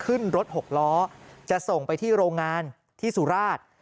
ขึ้นรถหกล้อจะส่งไปที่โรงงานที่สุราช